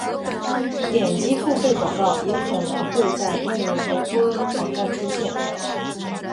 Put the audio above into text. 点击付费广告也可能会在内容联播网站出现。